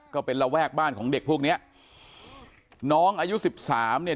ก็เป็นระแวกบ้านของเด็กพวกเนี้ยน้องอายุสิบสามเนี่ย